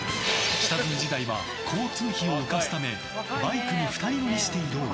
下積み時代は交通費を浮かすためバイクに２人乗りして移動。